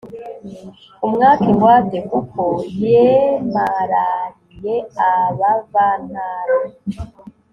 umwake ingwate kuko yemarariye abavantara